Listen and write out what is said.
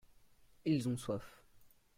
ils ont soif.